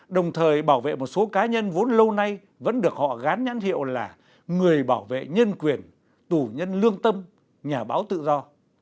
đồng thời bảo vệ một số cá nhân vốn lâu nay vẫn được họ gán nhãn hiệu là người bảo vệ nhân quyền tù nhân lương tâm nhà báo tự do